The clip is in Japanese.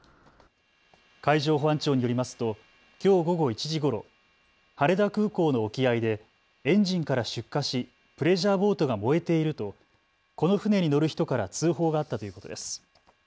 海上保安庁によりますときょう午後１時ごろ、羽田空港の沖合でエンジンから出火しプレジャーボートが燃えているとこの船に乗る人から通報があったということです。